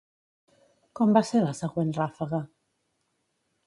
Com va ser la següent ràfega?